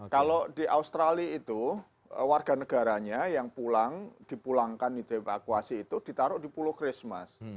kalau di australia itu warga negaranya yang pulang dipulangkan dievakuasi itu ditaruh di pulau christmas